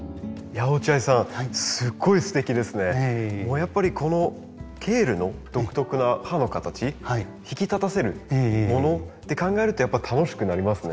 やっぱりこのケールの独特な葉の形引き立たせるものって考えるとやっぱ楽しくなりますね。